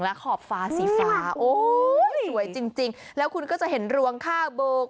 และขอบฟ้าสีฟ้าโอ้ยสวยจริงแล้วคุณก็จะเห็นรวงข้าวโบก